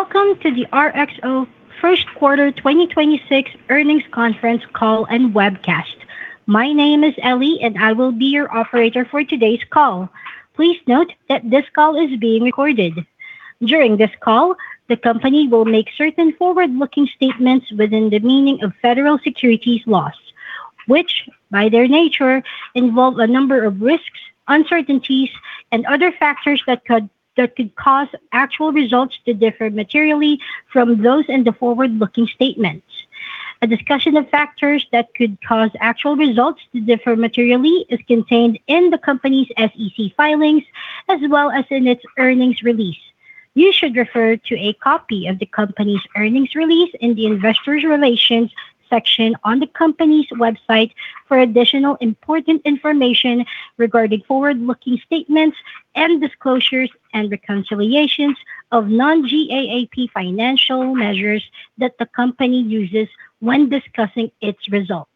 Welcome to the RXO First Quarter 2026 Earnings conference call and webcast. My name is Ellie, and I will be your operator for today's call. Please note that this call is being recorded. During this call, the company will make certain forward-looking statements within the meaning of federal securities laws, which by their nature involve a number of risks, uncertainties, and other factors that could cause actual results to differ materially from those in the forward-looking statements. A discussion of factors that could cause actual results to differ materially is contained in the company's SEC filings as well as in its earnings release. You should refer to a copy of the company's earnings release in the Investor Relations section on the company's website for additional important information regarding forward-looking statements and disclosures and reconciliations of non-GAAP financial measures that the company uses when discussing its results.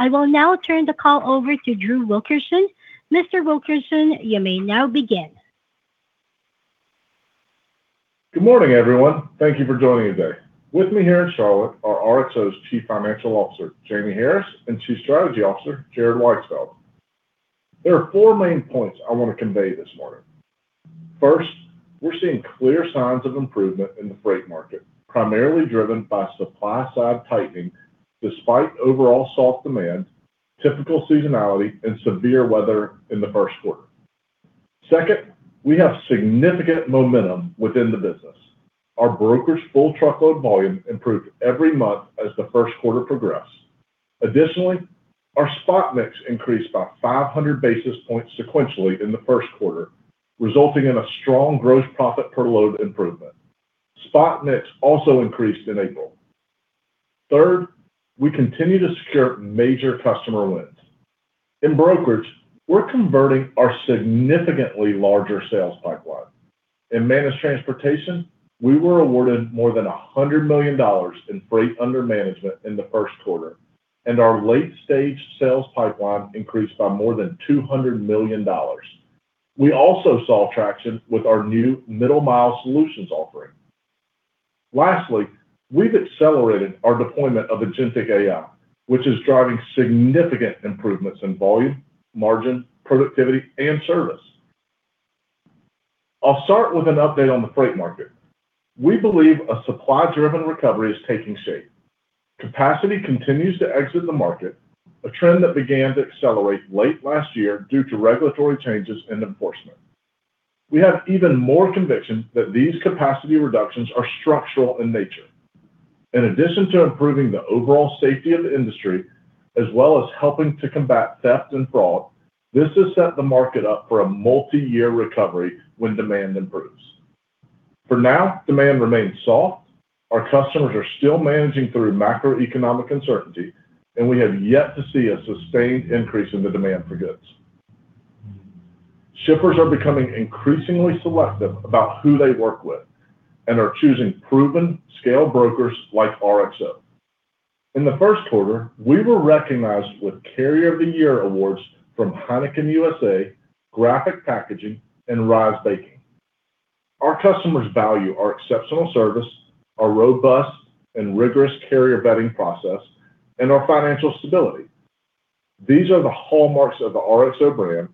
I will now turn the call over to Drew Wilkerson. Mr. Wilkerson, you may now begin. Good morning, everyone. Thank you for joining today. With me here in Charlotte are RXO's Chief Financial Officer, Jamie Harris, and Chief Strategy Officer, Jared Weisfeld. There are four main points I want to convey this morning. First, we're seeing clear signs of improvement in the freight market, primarily driven by supply-side tightening despite overall soft demand, typical seasonality, and severe weather in the first quarter. Second, we have significant momentum within the business. Our brokers' full truckload volume improved every month as the first quarter progressed. Additionally, our spot mix increased by 500 basis points sequentially in the first quarter, resulting in a strong gross profit per load improvement. Spot mix also increased in April. Third, we continue to secure major customer wins. In Brokerage, we're converting our significantly larger sales pipeline. In Managed Transportation, we were awarded more than $100 million in freight under management in the first quarter, and our late-stage sales pipeline increased by more than $200 million. We also saw traction with our new Middle Mile Solutions offering. Lastly, we've accelerated our deployment of agentic AI, which is driving significant improvements in volume, margin, productivity, and service. I'll start with an update on the freight market. We believe a supply-driven recovery is taking shape. Capacity continues to exit the market, a trend that began to accelerate late last year due to regulatory changes and enforcement. We have even more conviction that these capacity reductions are structural in nature. In addition to improving the overall safety of the industry, as well as helping to combat theft and fraud, this has set the market up for a multi-year recovery when demand improves. For now, demand remains soft. Our customers are still managing through macroeconomic uncertainty. We have yet to see a sustained increase in the demand for goods. Shippers are becoming increasingly selective about who they work with and are choosing proven scale brokers like RXO. In the first quarter, we were recognized with Carrier of the Year awards from Heineken USA, Graphic Packaging, and Rise Baking. Our customers value our exceptional service, our robust and rigorous carrier vetting process, and our financial stability. These are the hallmarks of the RXO brand.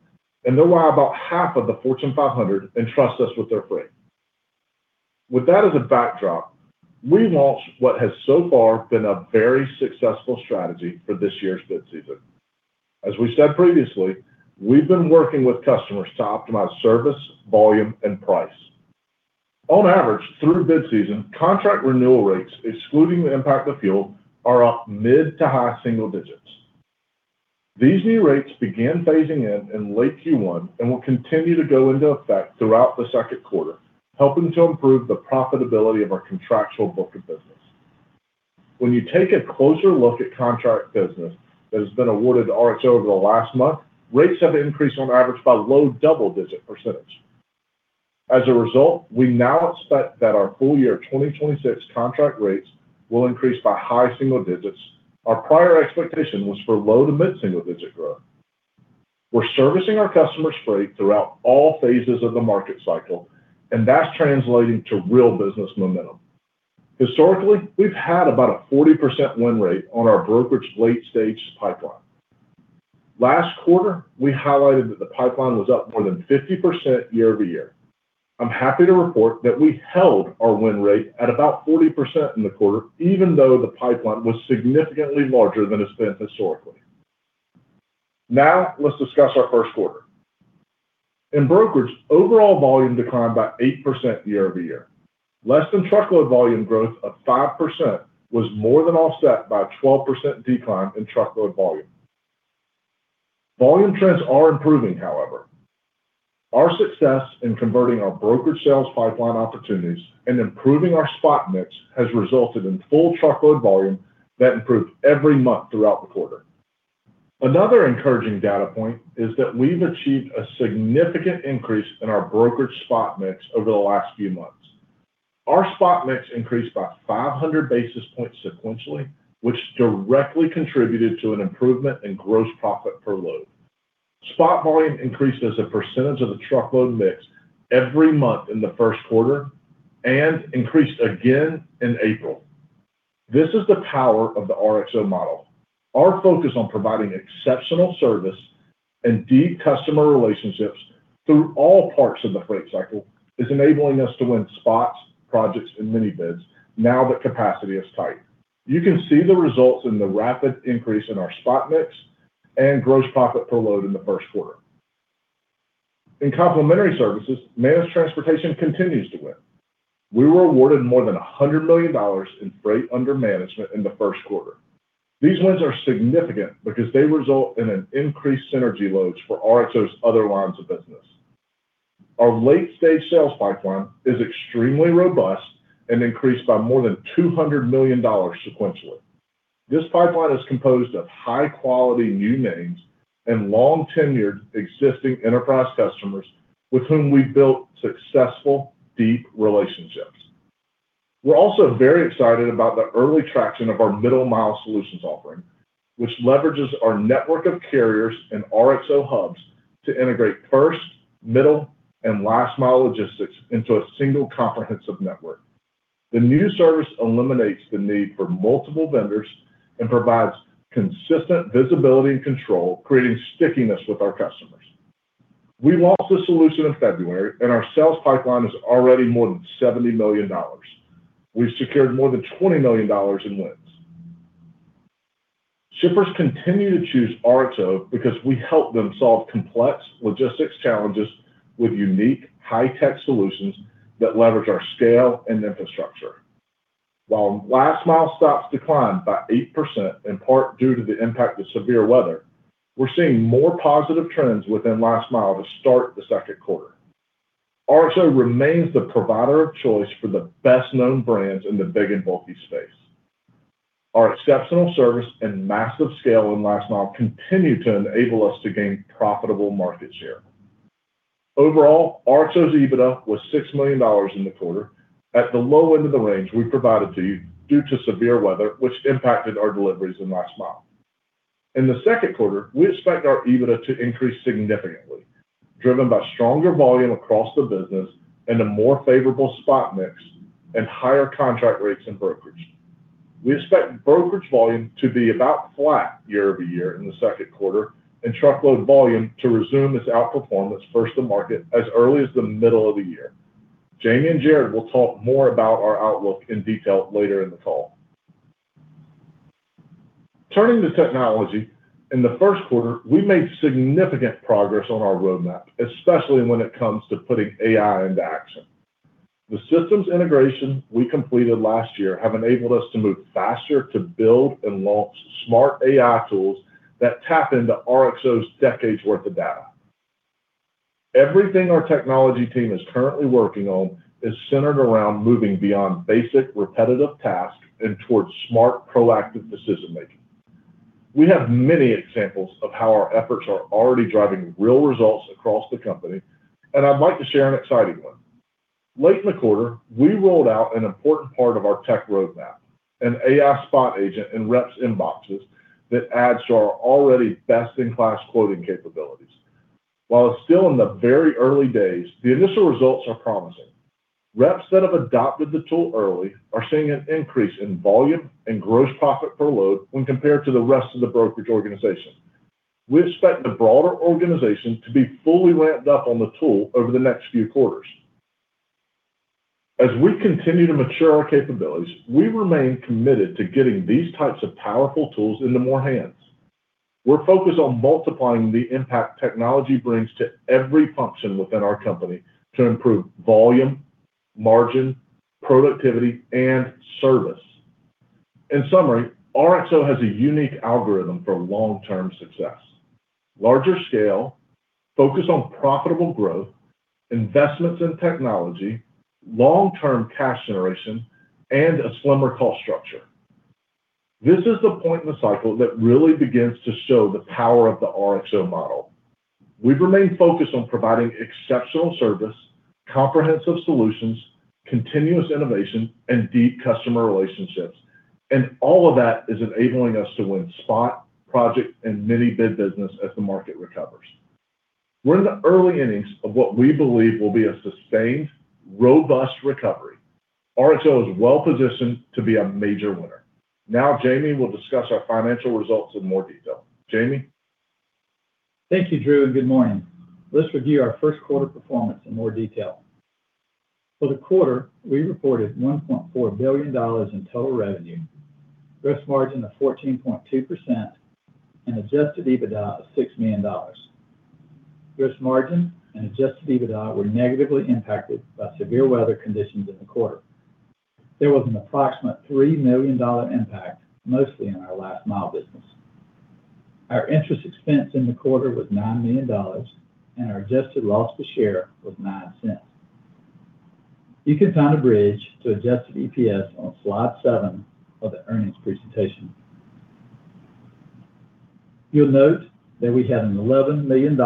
They're why about half of the Fortune 500 entrust us with their freight. With that as a backdrop, we launched what has so far been a very successful strategy for this year's bid season. As we said previously, we've been working with customers to optimize service, volume, and price. On average, through bid season, contract renewal rates, excluding the impact of fuel, are up mid-to-high single digits. These new rates began phasing in in late Q1 and will continue to go into effect throughout the second quarter, helping to improve the profitability of our contractual book of business. When you take a closer look at contract business that has been awarded to RXO over the last month, rates have increased on average by low double-digit percentage. As a result, we now expect that our full year 2026 contract rates will increase by high single digits. Our prior expectation was for low-to-mid single-digit growth. We're servicing our customers freight throughout all phases of the market cycle, and that's translating to real business momentum. Historically, we've had about a 40% win rate on our Brokerage late-stage pipeline. Last quarter, we highlighted that the pipeline was up more than 50% year-over-year. I'm happy to report that we held our win rate at about 40% in the quarter, even though the pipeline was significantly larger than it's been historically. Let's discuss our first quarter. In Brokerage, overall volume declined by 8% year-over-year. Less than truckload volume growth of 5% was more than offset by a 12% decline in truckload volume. Volume trends are improving, however. Our success in converting our Brokerage sales pipeline opportunities and improving our spot mix has resulted in full truckload volume that improved every month throughout the quarter. Another encouraging data point is that we've achieved a significant increase in our Brokerage spot mix over the last few months. Our spot mix increased by 500 basis points sequentially, which directly contributed to an improvement in gross profit per load. Spot volume increased as a percentage of the truckload mix every month in the first quarter, and increased again in April. This is the power of the RXO model. Our focus on providing exceptional service and deep customer relationships through all parts of the freight cycle is enabling us to win spots, projects, and mini bids now that capacity is tight. You can see the results in the rapid increase in our spot mix and gross profit per load in the first quarter. In Complementary Services, Managed Transportation continues to win. We were awarded more than $100 million in freight under management in the first quarter. These wins are significant because they result in an increased synergy loads for RXO's other lines of business. Our late-stage sales pipeline is extremely robust and increased by more than $200 million sequentially. This pipeline is composed of high-quality new names and long-tenured existing enterprise customers with whom we've built successful, deep relationships. We're also very excited about the early traction of our Middle Mile Solutions offering, which leverages our network of carriers and RXO hubs to integrate first, middle, and last-mile logistics into a single comprehensive network. The new service eliminates the need for multiple vendors and provides consistent visibility and control, creating stickiness with our customers. We launched this solution in February, our sales pipeline is already more than $70 million. We've secured more than $20 million in wins. Shippers continue to choose RXO because we help them solve complex logistics challenges with unique high-tech solutions that leverage our scale and infrastructure. Last Mile stops declined by 8%, in part due to the impact of severe weather, we're seeing more positive trends within Last Mile to start the second quarter. RXO remains the provider of choice for the best-known brands in the big and bulky space. Our exceptional service and massive scale in Last Mile continue to enable us to gain profitable market share. Overall, RXO's EBITDA was $6 million in the quarter at the low end of the range we provided to you due to severe weather, which impacted our deliveries in Last Mile. In the second quarter, we expect our EBITDA to increase significantly, driven by stronger volume across the business and a more favorable spot mix and higher contract rates in Brokerage. We expect Brokerage volume to be about flat year-over-year in the second quarter and truckload volume to resume its outperformance first of the market as early as the middle of the year. Jamie and Jared will talk more about our outlook in detail later in the call. Turning to technology. In the first quarter, we made significant progress on our roadmap, especially when it comes to putting AI into action. The systems integration we completed last year have enabled us to move faster to build and launch smart AI tools that tap into RXO's decades worth of data. Everything our technology team is currently working on is centered around moving beyond basic, repetitive tasks and towards smart, proactive decision-making. We have many examples of how our efforts are already driving real results across the company, and I'd like to share an exciting one. Late in the quarter, we rolled out an important part of our tech roadmap, an AI spot agent in reps' inboxes that adds to our already best-in-class quoting capabilities. While it's still in the very early days, the initial results are promising. Reps that have adopted the tool early are seeing an increase in volume and gross profit per load when compared to the rest of the Brokerage organization. We expect the broader organization to be fully ramped up on the tool over the next few quarters. As we continue to mature our capabilities, we remain committed to getting these types of powerful tools into more hands. We're focused on multiplying the impact technology brings to every function within our company to improve volume, margin, productivity, and service. In summary, RXO has a unique algorithm for long-term success. Larger scale, focus on profitable growth, investments in technology, long-term cash generation, and a slimmer cost structure. This is the point in the cycle that really begins to show the power of the RXO model. We've remained focused on providing exceptional service, comprehensive solutions, continuous innovation, and deep customer relationships. All of that is enabling us to win spot, project, and mini bid business as the market recovers. We're in the early innings of what we believe will be a sustained, robust recovery. RXO is well-positioned to be a major winner. Now, Jamie will discuss our financial results in more detail. Jamie? Thank you, Drew, and good morning. Let's review our first quarter performance in more detail. For the quarter, we reported $1.4 billion in total revenue, gross margin of 14.2%, and adjusted EBITDA of $6 million. Gross margin and adjusted EBITDA were negatively impacted by severe weather conditions in the quarter. There was an approximate $3 million impact, mostly in our Last Mile business. Our interest expense in the quarter was $9 million, and our adjusted loss per share was $0.09. You can find a bridge to adjusted EPS on slide seven of the earnings presentation. You'll note that we had an $11 million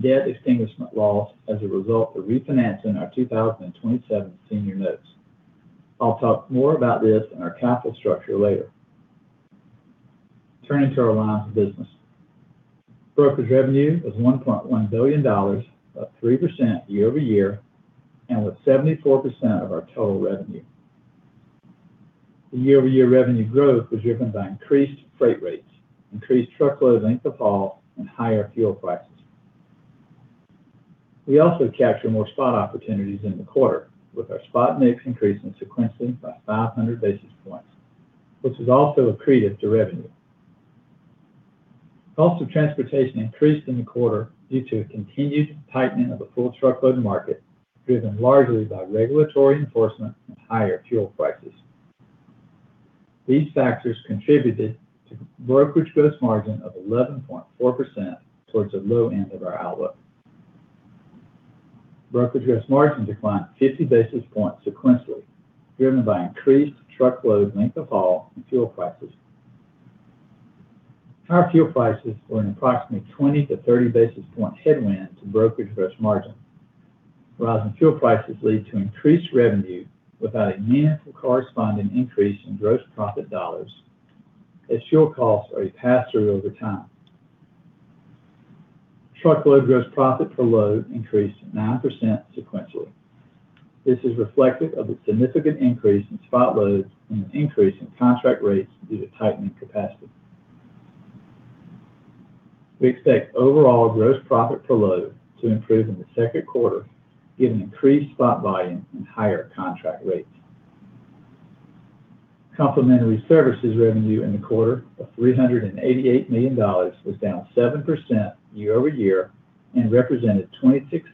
debt extinguishment loss as a result of refinancing our 2027 Senior Notes. I'll talk more about this in our capital structure later. Turning to our lines of business. Brokerage revenue was $1.1 billion, up 3% year-over-year, and with 74% of our total revenue. The year-over-year revenue growth was driven by increased freight rates, increased truckload length of haul, and higher fuel prices. We also captured more spot opportunities in the quarter, with our spot mix increasing sequentially by 500 basis points, which was also accretive to revenue. Cost of transportation increased in the quarter due to a continued tightening of the full truckload market, driven largely by regulatory enforcement and higher fuel prices. These factors contributed to Brokerage gross margin of 11.4% towards the low end of our outlook. Brokerage gross margin declined 50 basis points sequentially, driven by increased truckload length of haul and fuel prices. Higher fuel prices were an approximately 20-30 basis point headwind to Brokerage gross margin, while rising fuel prices lead to increased revenue without a meaningful corresponding increase in gross profit dollars as fuel costs are passed through over time. Truckload gross profit per load increased 9% sequentially. This is reflective of a significant increase in spot loads and an increase in contract rates due to tightening capacity. We expect overall gross profit per load to improve in the second quarter given increased spot volume and higher contract rates. Complementary services revenue in the quarter of $388 million was down 7% year-over-year and represented 26%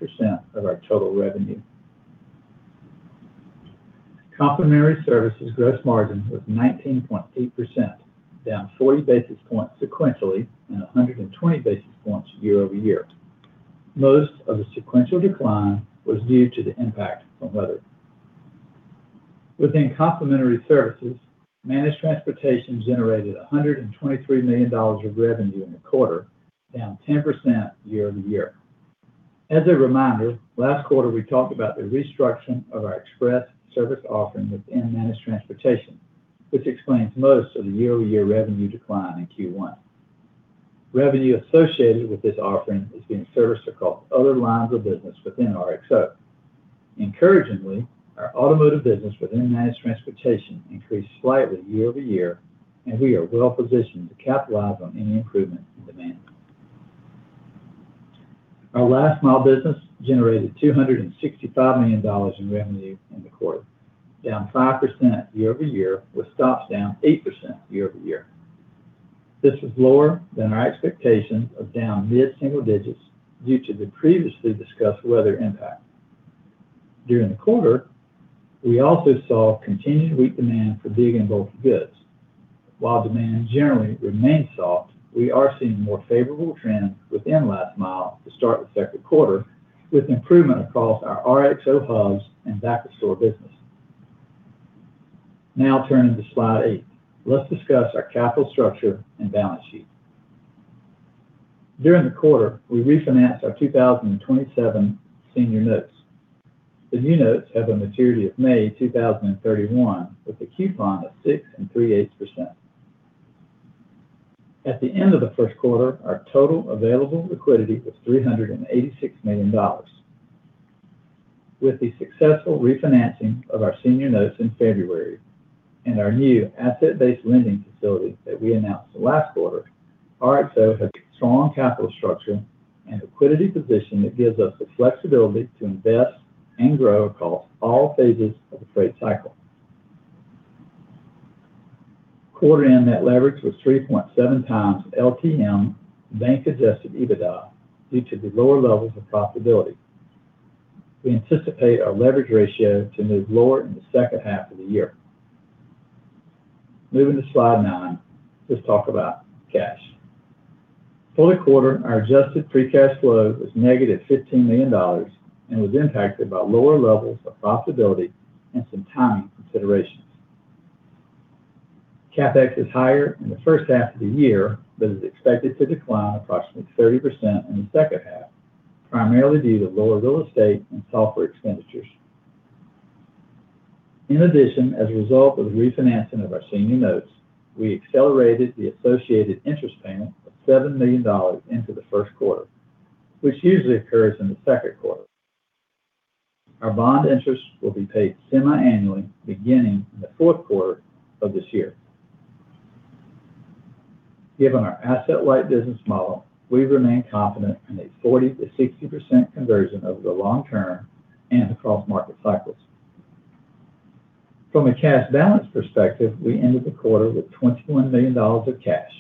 of our total revenue. Complementary services gross margin was 19.8%, down 40 basis points sequentially and 120 basis points year-over-year. Most of the sequential decline was due to the impact from within Managed Transportation, Complementary services generated $123 million of revenue in the quarter, down 10% year-over-year. As a reminder, last quarter we talked about the restructuring of our express service offering within Managed Transportation, which explains most of the year-over-year revenue decline in Q1. Revenue associated with this offering is being serviced across other lines of business within RXO. Encouragingly, our automotive business within Managed Transportation increased slightly year-over-year, and we are well positioned to capitalize on any improvement in demand. Our Last Mile business generated $265 million in revenue in the quarter, down 5% year-over-year with stops down 8% year-over-year. This was lower than our expectation of down mid-single digits due to the previously discussed weather impact. During the quarter, we also saw continued weak demand for big and bulky goods. While demand generally remains soft, we are seeing more favorable trends within Last Mile to start the second quarter with improvement across our RXO hubs and back of store business. Turning to slide eight, let's discuss our capital structure and balance sheet. During the quarter, we refinanced our 2027 Senior Notes. The new notes have a maturity of May 2031 with a coupon of 6.38%. At the end of the first quarter, our total available liquidity was $386 million. With the successful refinancing of our senior notes in February and our new asset-based lending facility that we announced last quarter, RXO has a strong capital structure and liquidity position that gives us the flexibility to invest and grow across all phases of the freight cycle. Quarter end net leverage was 3.7x LTM bank-adjusted EBITDA due to the lower levels of profitability. We anticipate our leverage ratio to move lower in the second half of the year. Moving to slide nine, let's talk about cash. For the quarter, our adjusted free cash flow was -$15 million and was impacted by lower levels of profitability and some timing considerations. CapEx is higher in the first half of the year, but is expected to decline approximately 30% in the second half, primarily due to lower real estate and software expenditures. In addition, as a result of the refinancing of our senior notes, we accelerated the associated interest payment of $7 million into the first quarter, which usually occurs in the second quarter. Our bond interest will be paid semi-annually beginning in the fourth quarter of this year. Given our asset-light business model, we remain confident in a 40%-60% conversion over the long term and across market cycles. From a cash balance perspective, we ended the quarter with $21 million of cash.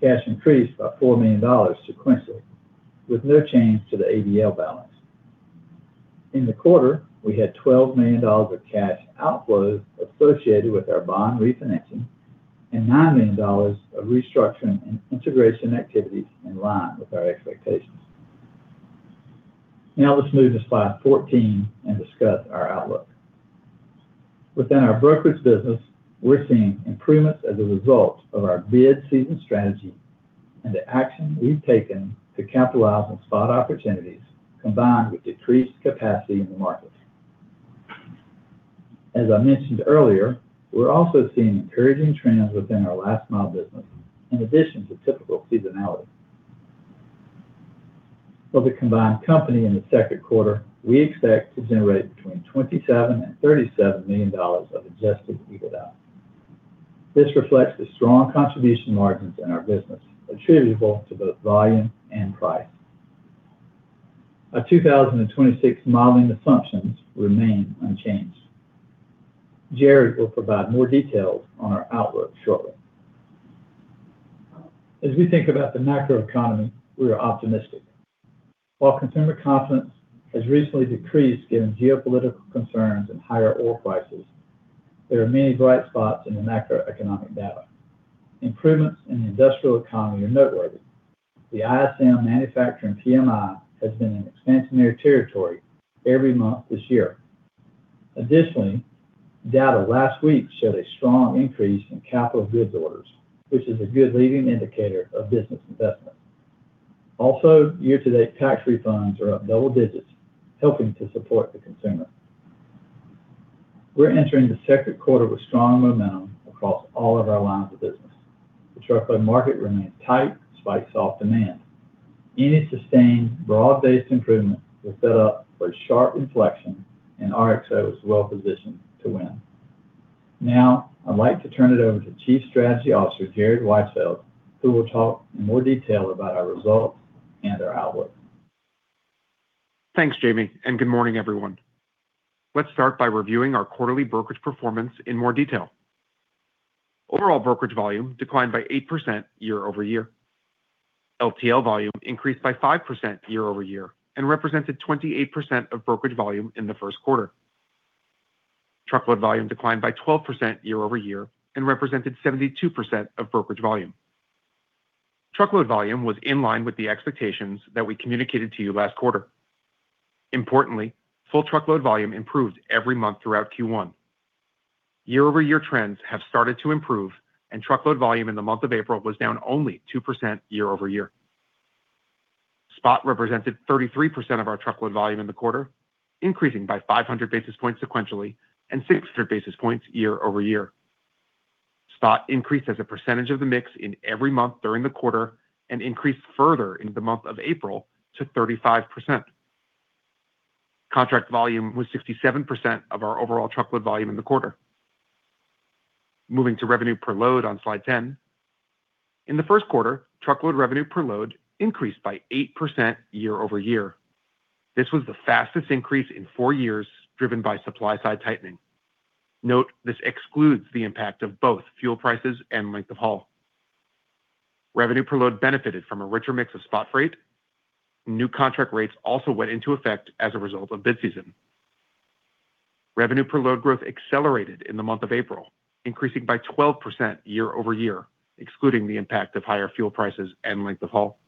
Cash increased by $4 million sequentially, with no change to the ABL balance. In the quarter, we had $12 million of cash outflows associated with our bond refinancing and $9 million of restructuring and integration activities in line with our expectations. Let's move to slide 14 and discuss our outlook. Within our Brokerage business, we're seeing improvements as a result of our bid season strategy. The action we've taken to capitalize on spot opportunities, combined with decreased capacity in the market. As I mentioned earlier, we're also seeing encouraging trends within our Last Mile business, in addition to typical seasonality. For the combined company in the second quarter, we expect to generate between $27 million and $37 million of adjusted EBITDA. This reflects the strong contribution margins in our business, attributable to both volume and price. Our 2026 modeling assumptions remain unchanged. Jared will provide more details on our outlook shortly. As we think about the macro economy, we are optimistic. While consumer confidence has recently decreased given geopolitical concerns and higher oil prices, there are many bright spots in the macroeconomic data. Improvements in the industrial economy are noteworthy. The ISM Manufacturing PMI has been in expansionary territory every month this year. Data last week showed a strong increase in capital goods orders, which is a good leading indicator of business investment. Also, year-to-date tax refunds are up double digits, helping to support the consumer. We're entering the second quarter with strong momentum across all of our lines of business. The truckload market remains tight despite soft demand. Any sustained broad-based improvement will set up for a sharp inflection, and RXO is well-positioned to win. Now, I'd like to turn it over to Chief Strategy Officer, Jared Weisfeld, who will talk in more detail about our results and our outlook. Thanks, Jamie, and good morning, everyone. Let's start by reviewing our quarterly Brokerage performance in more detail. Overall Brokerage volume declined by 8% year-over-year. LTL volume increased by 5% year-over-year and represented 28% of Brokerage volume in the first quarter. Truckload volume declined by 12% year-over-year and represented 72% of Brokerage volume. Truckload volume was in line with the expectations that we communicated to you last quarter. Importantly, full truckload volume improved every month throughout Q1. Year-over-year trends have started to improve and truckload volume in the month of April was down only 2% year-over-year. Spot represented 33% of our truckload volume in the quarter, increasing by 500 basis points sequentially and 600 basis points year-over-year. Spot increased as a percentage of the mix in every month during the quarter and increased further in the month of April to 35%. Contract volume was 67% of our overall truckload volume in the quarter. Moving to revenue per load on slide 10. In the first quarter, truckload revenue per load increased by 8% year-over-year. This was the fastest increase in four years, driven by supply-side tightening. Note, this excludes the impact of both fuel prices and length of haul. Revenue per load benefited from a richer mix of spot freight. New contract rates also went into effect as a result of bid season. Revenue per load growth accelerated in the month of April, increasing by 12% year-over-year, excluding the impact of higher fuel prices and length of haul.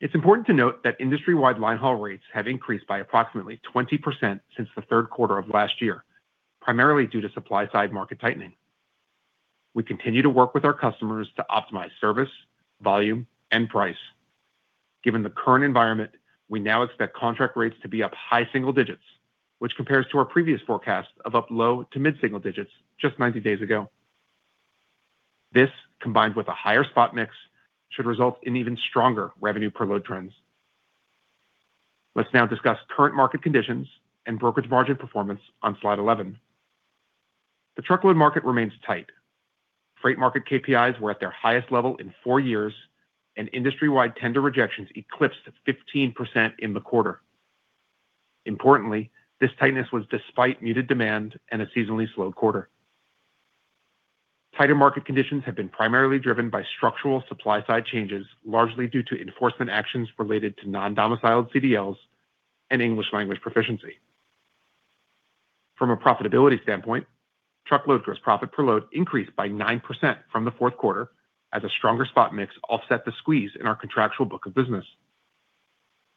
It's important to note that industry-wide line haul rates have increased by approximately 20% since the third quarter of last year, primarily due to supply-side market tightening. We continue to work with our customers to optimize service, volume and price. Given the current environment, we now expect contract rates to be up high single digits, which compares to our previous forecast of up low to mid-single digits just 90 days ago. This, combined with a higher spot mix, should result in even stronger revenue per load trends. Let's now discuss current market conditions and Brokerage margin performance on slide 11. The truckload market remains tight. Freight market KPIs were at their highest level in four years, and industry-wide tender rejections eclipsed 15% in the quarter. Importantly, this tightness was despite muted demand and a seasonally slow quarter. Tighter market conditions have been primarily driven by structural supply-side changes, largely due to enforcement actions related to non-domiciled CDLs and English language proficiency. From a profitability standpoint, truckload gross profit per load increased by 9% from the fourth quarter as a stronger spot mix offset the squeeze in our contractual book of business.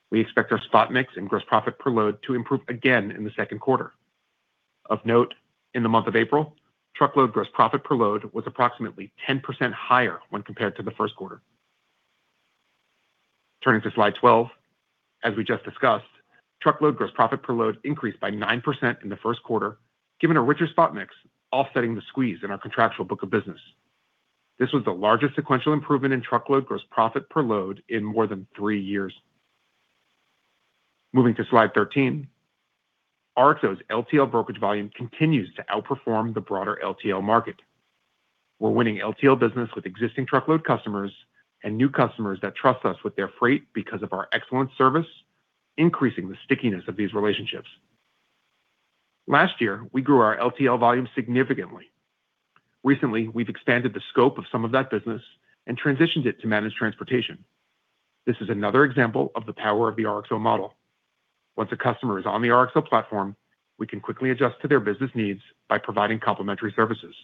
We expect our spot mix and gross profit per load to improve again in the second quarter. Of note, in the month of April, truckload gross profit per load was approximately 10% higher when compared to the first quarter. Turning to slide 12. As we just discussed, truckload gross profit per load increased by 9% in the first quarter, given a richer spot mix offsetting the squeeze in our contractual book of business. This was the largest sequential improvement in truckload gross profit per load in more than three years. Moving to slide 13. RXO's LTL Brokerage volume continues to outperform the broader LTL market. We're winning LTL business with existing truckload customers and new customers that trust us with their freight because of our excellent service, increasing the stickiness of these relationships. Last year, we grew our LTL volume significantly. Recently, we've expanded the scope of some of that business and transitioned it to Managed Transportation. This is another example of the power of the RXO model. Once a customer is on the RXO platform, we can quickly adjust to their business needs by providing complementary services.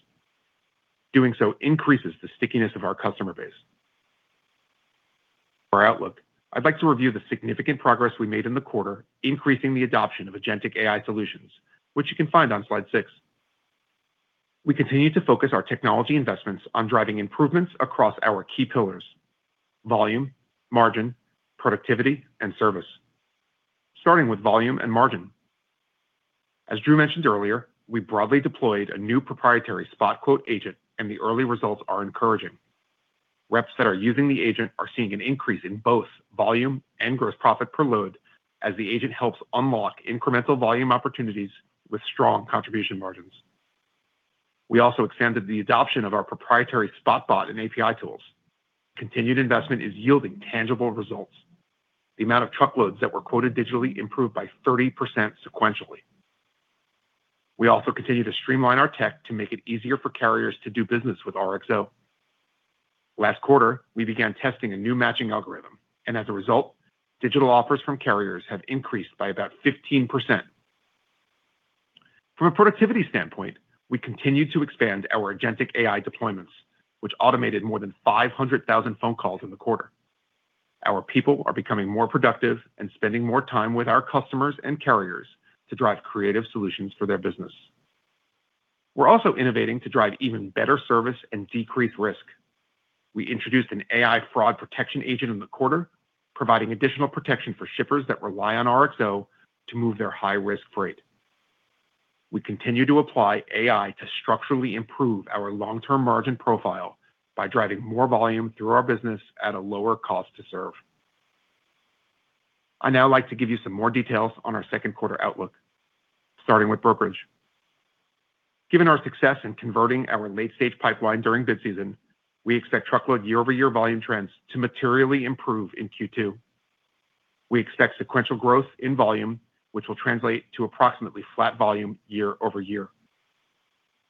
Doing so increases the stickiness of our customer base. For our outlook, I'd like to review the significant progress we made in the quarter, increasing the adoption of agentic AI solutions, which you can find on slide six. We continue to focus our technology investments on driving improvements across our key pillars: volume, margin, productivity, and service. Starting with volume and margin. As Drew mentioned earlier, we broadly deployed a new proprietary AI spot agent, and the early results are encouraging. Reps that are using the agent are seeing an increase in both volume and gross profit per load as the agent helps unlock incremental volume opportunities with strong contribution margins. We also expanded the adoption of our proprietary Spot Bot and API tools. Continued investment is yielding tangible results. The amount of truckloads that were quoted digitally improved by 30% sequentially. We also continue to streamline our tech to make it easier for carriers to do business with RXO. Last quarter, we began testing a new matching algorithm, and as a result, digital offers from carriers have increased by about 15%. From a productivity standpoint, we continue to expand our agentic AI deployments, which automated more than 500,000 phone calls in the quarter. Our people are becoming more productive and spending more time with our customers and carriers to drive creative solutions for their business. We're also innovating to drive even better service and decrease risk. We introduced an AI Fraud Protection Agent in the quarter, providing additional protection for shippers that rely on RXO to move their high-risk freight. We continue to apply AI to structurally improve our long-term margin profile by driving more volume through our business at a lower cost to serve. I'd now like to give you some more details on our second quarter outlook, starting with Brokerage. Given our success in converting our late-stage pipeline during bid season, we expect truckload year-over-year volume trends to materially improve in Q2. We expect sequential growth in volume, which will translate to approximately flat volume year-over-year.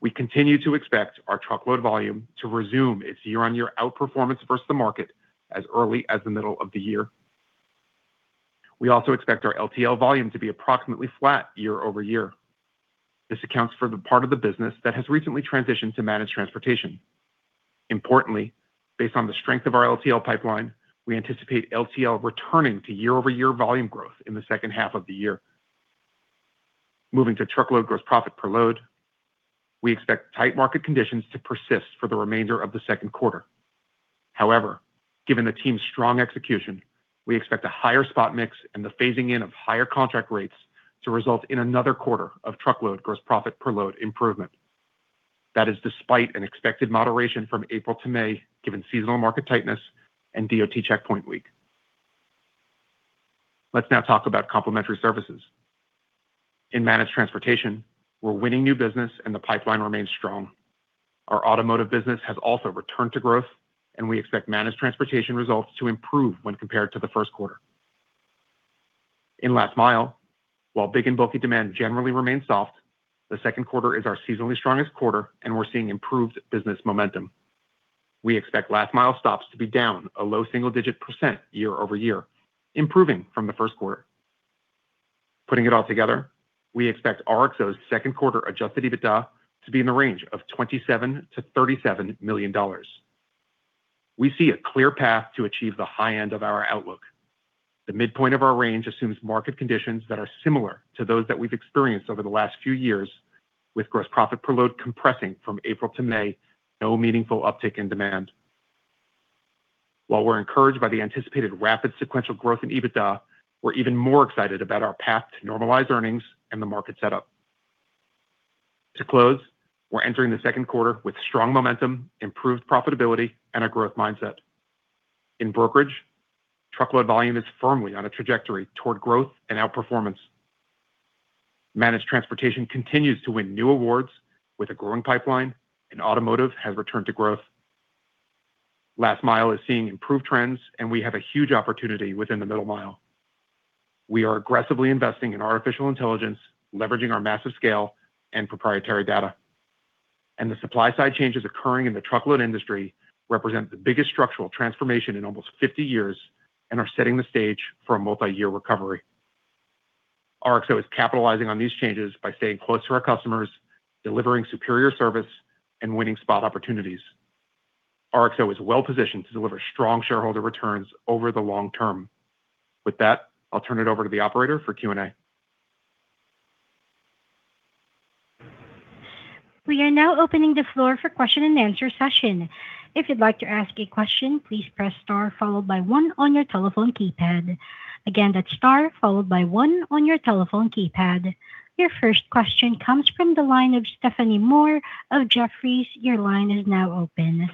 We continue to expect our truckload volume to resume its year-over-year outperformance versus the market as early as the middle of the year. We also expect our LTL volume to be approximately flat year-over-year. This accounts for the part of the business that has recently transitioned to Managed Transportation. Importantly, based on the strength of our LTL pipeline, we anticipate LTL returning to year-over-year volume growth in the second half of the year. Moving to truckload gross profit per load, we expect tight market conditions to persist for the remainder of the second quarter. Given the team's strong execution, we expect a higher spot mix and the phasing in of higher contract rates to result in another quarter of truckload gross profit per load improvement. That is despite an expected moderation from April to May, given seasonal market tightness and DOT checkpoint week. Let's now talk about Complementary Services. In Managed Transportation, we're winning new business and the pipeline remains strong. Our automotive business has also returned to growth, and we expect Managed Transportation results to improve when compared to the first quarter. In Last Mile, while big and bulky demand generally remains soft, the second quarter is our seasonally strongest quarter, and we're seeing improved business momentum. We expect Last Mile stops to be down a low single-digit percent year-over-year, improving from the first quarter. Putting it all together, we expect RXO's second quarter adjusted EBITDA to be in the range of $27 million-$37 million. We see a clear path to achieve the high end of our outlook. The midpoint of our range assumes market conditions that are similar to those that we've experienced over the last few years, with gross profit per load compressing from April to May, no meaningful uptick in demand. While we're encouraged by the anticipated rapid sequential growth in EBITDA, we're even more excited about our path to normalized earnings and the market setup. To close, we're entering the second quarter with strong momentum, improved profitability, and a growth mindset. In Brokerage, truckload volume is firmly on a trajectory toward growth and outperformance. Managed Transportation continues to win new awards with a growing pipeline, and automotive has returned to growth. Last Mile is seeing improved trends, and we have a huge opportunity within the Middle Mile. We are aggressively investing in artificial intelligence, leveraging our massive scale and proprietary data. The supply-side changes occurring in the truckload industry represent the biggest structural transformation in almost 50 years and are setting the stage for a multi-year recovery. RXO is capitalizing on these changes by staying close to our customers, delivering superior service, and winning spot opportunities. RXO is well-positioned to deliver strong shareholder returns over the long term. With that, I'll turn it over to the operator for Q&A. We are now opening the floor for question and answer session. If you'd like to ask a question, please press star followed by one on your telephone keypad. Again, that's star followed by one on your telephone keypad. Your first question comes from the line of Stephanie Moore of Jefferies. Your line is now open.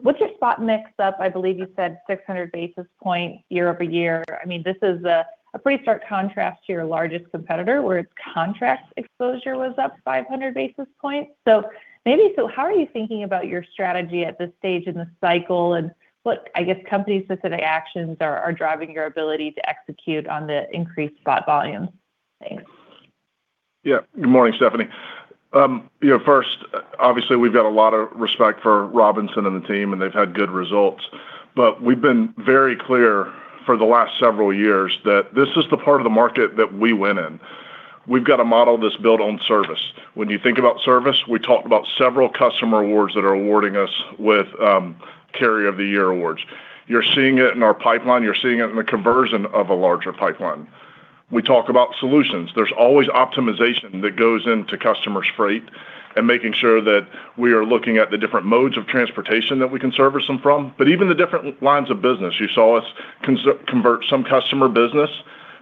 What's your spot mix up? I believe you said 600 basis points year-over-year. This is a pretty stark contrast to your largest competitor, where its contract exposure was up 500 basis points. How are you thinking about your strategy at this stage in the cycle, and what company-specific actions are driving your ability to execute on the increased spot volume? Thanks. Yeah. Good morning, Stephanie. You know, first, We've got a lot of respect for Robinson and the team, and they've had good results. We've been very clear for the last several years that this is the part of the market that we went in. We've got a model that's built on service. When you think about service, we talked about several customer awards that are awarding us with Carrier of the Year awards. You're seeing it in our pipeline. You're seeing it in the conversion of a larger pipeline. We talk about solutions. There's always optimization that goes into customer freight and making sure that we are looking at the different modes of transportation that we can service them from. Even the different lines of business, you saw us convert some customer business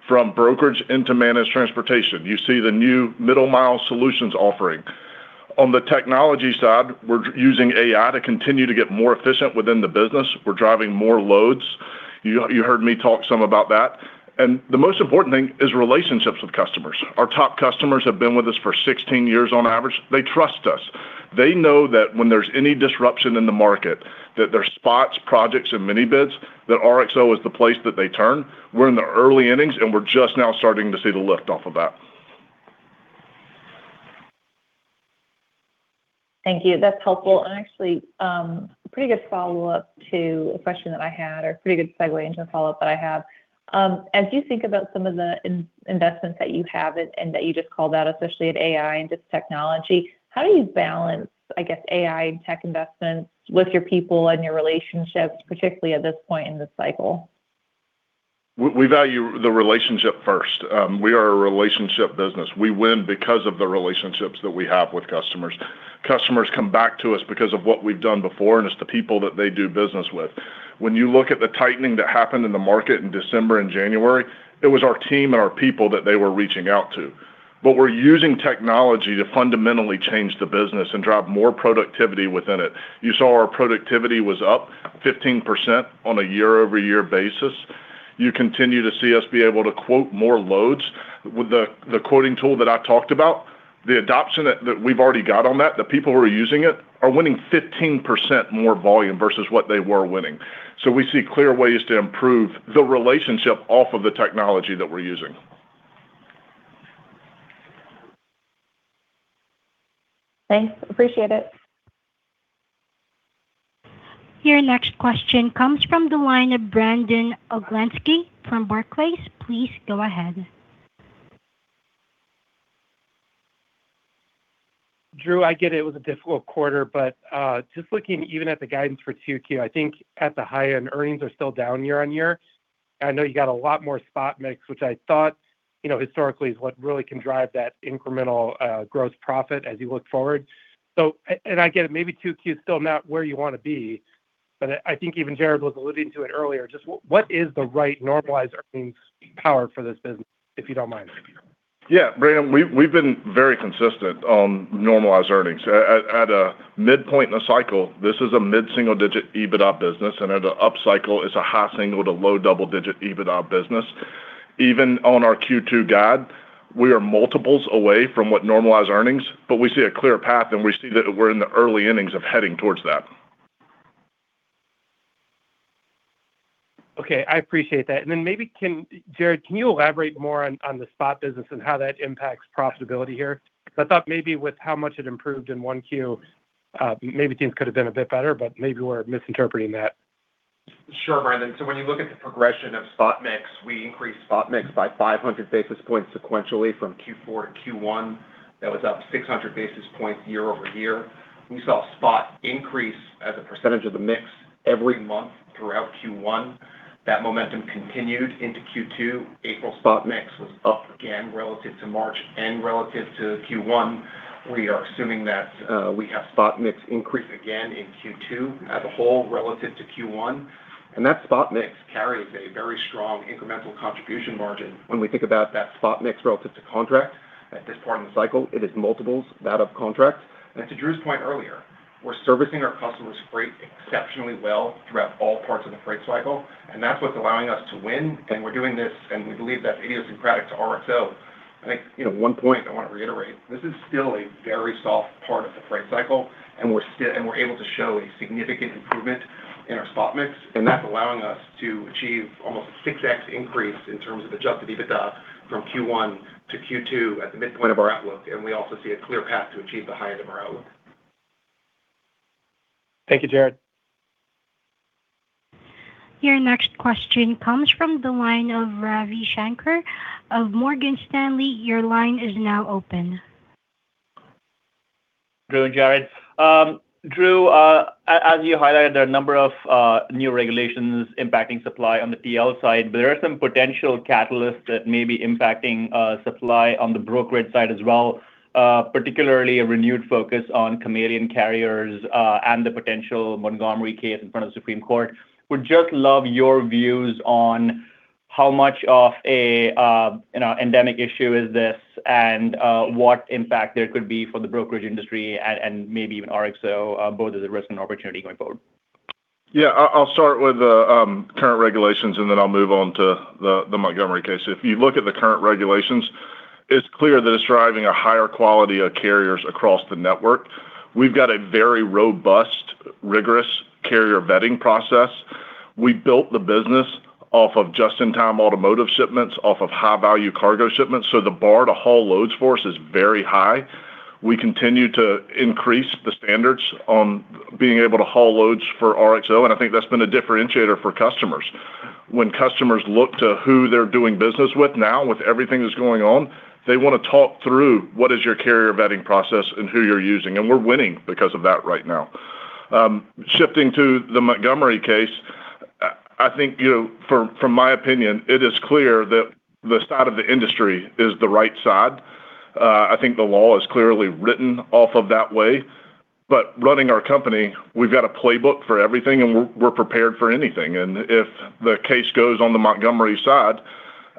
from Brokerage into Managed Transportation. You see the new Middle Mile Solutions offering. On the technology side, we're using AI to continue to get more efficient within the business. We're driving more loads. You heard me talk some about that. The most important thing is relationships with customers. Our top customers have been with us for 16 years on average. They trust us. They know that when there's any disruption in the market, that their spots, projects, and mini bids, that RXO is the place that they turn. We're in the early innings. We're just now starting to see the lift off of that. Thank you. That's helpful. Actually, pretty good follow-up to a question that I had or pretty good segue into a follow-up that I have. As you think about some of the investments that you have, and that you just called out, especially at AI and just technology, how do you balance, I guess, AI and tech investments with your people and your relationships, particularly at this point in this cycle? We value the relationship first. We are a relationship business. We win because of the relationships that we have with customers. Customers come back to us because of what we've done before, and it's the people that they do business with. When you look at the tightening that happened in the market in December and January, it was our team and our people that they were reaching out to. We're using technology to fundamentally change the business and drive more productivity within it. You saw our productivity was up 15% on a year-over-year basis. You continue to see us be able to quote more loads with the quoting tool that I talked about. The adoption that we've already got on that, the people who are using it are winning 15% more volume versus what they were winning. We see clear ways to improve the relationship off of the technology that we're using. Thanks. Appreciate it. Your next question comes from the line of Brandon Oglenski from Barclays. Please go ahead. Drew, I get it was a difficult quarter, but, just looking even at the guidance for 2Q, I think at the high end, earnings are still down year-over-year. I know you got a lot more spot mix, which I thought, you know, historically is what really can drive that incremental gross profit as you look forward. I get it, maybe 2Q is still not where you want to be, but I think even Jared was alluding to it earlier. Just what is the right normalized earnings power for this business, if you don't mind? Yeah. Brandon, we've been very consistent on normalized earnings. At a midpoint in a cycle, this is a mid-single digit EBITDA business, and at an up cycle, it's a high single to low double-digit EBITDA business. Even on our Q2 guide, we are multiples away from what normalized earnings, but we see a clear path, and we see that we're in the early innings of heading towards that. Okay. I appreciate that. Maybe Jared, can you elaborate more on the spot business and how that impacts profitability here? I thought maybe with how much it improved in 1Q, maybe things could have been a bit better, but maybe we're misinterpreting that. Sure, Brandon. When you look at the progression of spot mix, we increased spot mix by 500 basis points sequentially from Q4 to Q1. That was up 600 basis points year-over-year. We saw spot increase as a percentage of the mix every month throughout Q1. That momentum continued into Q2. April spot mix was up again relative to March and relative to Q1. We are assuming that we have spot mix increase again in Q2 as a whole relative to Q1. That spot mix carries a very strong incremental contribution margin. When we think about that spot mix relative to contract, at this point in the cycle, it is multiples that of contract. To Drew's point earlier, we're servicing our customers exceptionally well throughout all parts of the freight cycle, and that's what's allowing us to win. We're doing this, and we believe that's idiosyncratic to RXO. I think, you know, one point I want to reiterate, this is still a very soft part of the freight cycle, and we're able to show a significant improvement in our spot mix, and that's allowing us to achieve almost a 6x increase in terms of adjusted EBITDA from Q1 to Q2 at the midpoint of our outlook. We also see a clear path to achieve the high end of our outlook. Thank you, Jared. Your next question comes from the line of Ravi Shanker of Morgan Stanley. Your line is now open. Drew and Jared. Drew, as you highlighted, there are a number of new regulations impacting supply on the TL side. There are some potential catalysts that may be impacting supply on the Brokerage side as well, particularly a renewed focus on chameleon carriers, and the potential Montgomery case in front of the Supreme Court. Would just love your views on how much of, you know, endemic issue is this and what impact there could be for the Brokerage industry and maybe even RXO, both as a risk and opportunity going forward? Yeah. I'll start with the current regulations. I'll move on to the Montgomery case. If you look at the current regulations, it's clear that it's driving a higher quality of carriers across the network. We've got a very robust, rigorous carrier vetting process. We built the business off of just-in-time automotive shipments, off of high-value cargo shipments, so the bar to haul loads for us is very high. We continue to increase the standards on being able to haul loads for RXO. I think that's been a differentiator for customers. When customers look to who they're doing business with now, with everything that's going on, they want to talk through what is your carrier vetting process and who you're using. We're winning because of that right now. Shifting to the Montgomery case, I think from my opinion, it is clear that the side of the industry is the right side. I think the law is clearly written off of that way. Running our company, we've got a playbook for everything, and we're prepared for anything. If the case goes on the Montgomery side,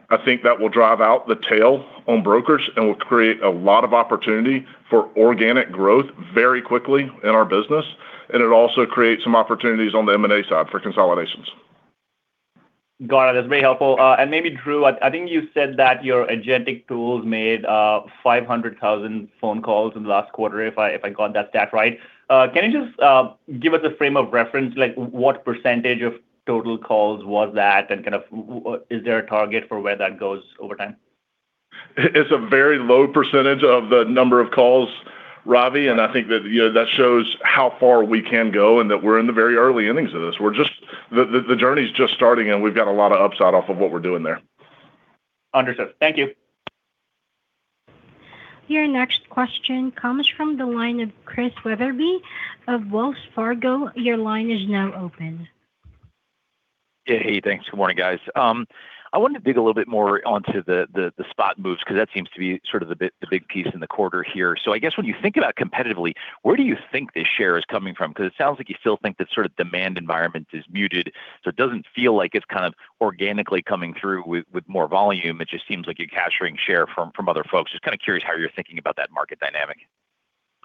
I think that will drive out the tail on brokers and will create a lot of opportunity for organic growth very quickly in our business. It'll also create some opportunities on the M&A side for consolidations. Got it. That's very helpful. Maybe Drew, I think you said that your agentic tools made 500,000 phone calls in the last quarter, if I got that stat right. Can you just give us a frame of reference, like what percentage of total calls was that, and kind of is there a target for where that goes over time? It's a very low percentage of the number of calls, Ravi, and I think that, you know, that shows how far we can go and that we're in the very early innings of this. The journey's just starting, and we've got a lot of upside off of what we're doing there. Understood. Thank you. Your next question comes from the line of Chris Wetherbee of Wells Fargo. Your line is now open. Yeah, hey, thanks. Good morning, guys. I wanted to dig a little bit more onto the spot moves because that seems to be sort of the big piece in the quarter here. I guess when you think about competitively, where do you think this share is coming from? Because it sounds like you still think the sort of demand environment is muted, it doesn't feel like it's kind of organically coming through with more volume. It just seems like you're capturing share from other folks. Just kind of curious how you're thinking about that market dynamic.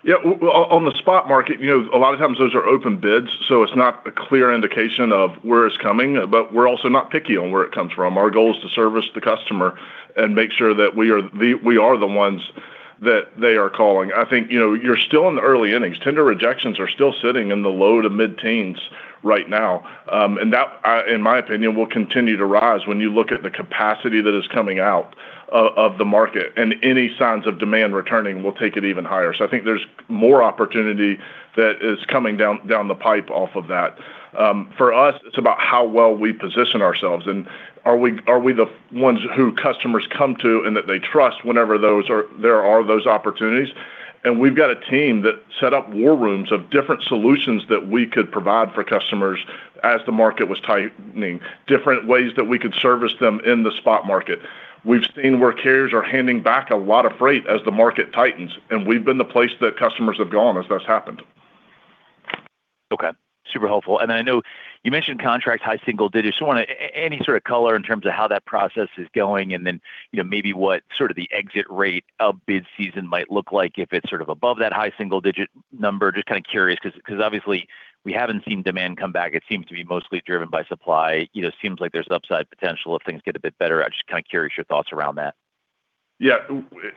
Yeah. On the spot market, you know, a lot of times those are open bids, so it's not a clear indication of where it's coming, but we're also not picky on where it comes from. Our goal is to service the customer and make sure that we are the ones that they are calling. I think, you know, you're still in the early innings. Tender rejections are still sitting in the low to mid-teens right now. And that, in my opinion, will continue to rise when you look at the capacity that is coming out of the market, and any signs of demand returning will take it even higher. I think there's more opportunity that is coming down the pipe off of that. For us, it's about how well we position ourselves and are we the ones who customers come to and that they trust whenever there are those opportunities. We've got a team that set up war rooms of different solutions that we could provide for customers as the market was tightening, different ways that we could service them in the spot market. We've seen where carriers are handing back a lot of freight as the market tightens, and we've been the place that customers have gone as that's happened. Okay. Super helpful. I know you mentioned contract high single digits. Just wonder any sort of color in terms of how that process is going. Then, you know, maybe what sort of the exit rate of bid season might look like if it's sort of above that high single digit number. Just kind of curious because obviously we haven't seen demand come back. It seems to be mostly driven by supply. You know, seems like there's upside potential if things get a bit better. I'm just kind of curious your thoughts around that? Yeah.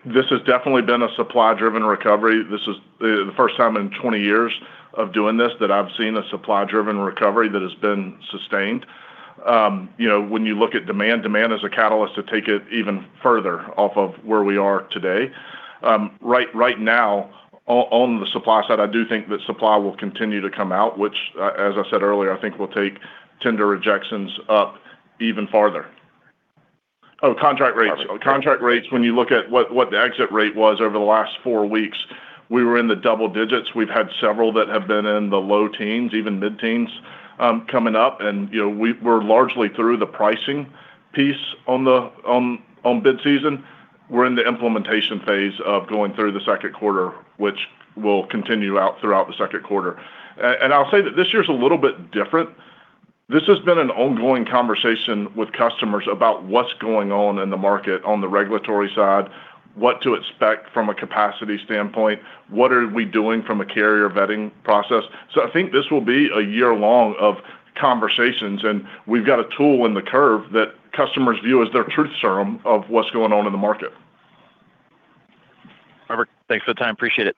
This has definitely been a supply-driven recovery. This is the first time in 20 years of doing this that I've seen a supply-driven recovery that has been sustained. You know, when you look at demand is a catalyst to take it even further off of where we are today. Right now, on the supply side, I do think that supply will continue to come out, which, as I said earlier, I think will take tender rejections up even farther. Oh, contract rates. Contract rates, when you look at what the exit rate was over the last four weeks, we were in the double digits. We've had several that have been in the low teens, even mid-teens, coming up. You know, we're largely through the pricing piece on the bid season. We're in the implementation phase of going through the second quarter, which will continue out throughout the second quarter. I'll say that this year is a little bit different. This has been an ongoing conversation with customers about what's going on in the market on the regulatory side, what to expect from a capacity standpoint, what are we doing from a carrier vetting process. I think this will be a year-long of conversations, and we've got a tool in the curve that customers view as their truth serum of what's going on in the market. Perfect. Thanks for the time. Appreciate it.